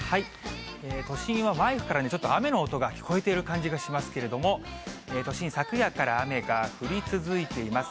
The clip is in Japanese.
都心はマイクから雨の音が聞こえている感じがしますけれども、都心、昨夜から雨が降り続いています。